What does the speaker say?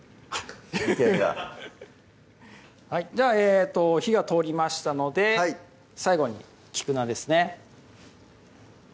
意見がでは火が通りましたので最後に菊菜ですね